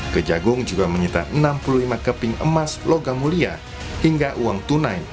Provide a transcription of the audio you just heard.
kejagung juga menyita enam puluh lima keping emas logam mulia hingga uang tunai